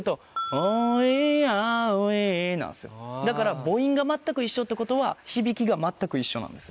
だから母音が全く一緒ってことは響きが全く一緒なんですよ。